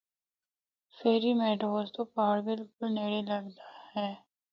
Ferry Meadows تو پہاڑ بلکل نیڑے لگدا ہے۔